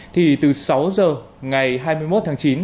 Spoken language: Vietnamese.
thì từ sáu giờ ngày hai mươi một tháng chín